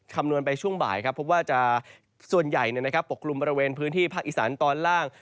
คำนวณไปช่วงบ่ายครับพบว่าส่วนใหญ่ปกกลุ่มบริเวณพื้นที่ภาคอีสานตอนล่าง